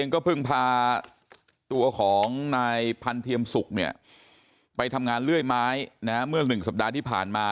ก็พึ่งพาตัวของภรรพธรรมศุกร์เนี่ยไปทำงานเลื่อยไม้เมื่อ๑สัปดาห์ที่ผ่านมา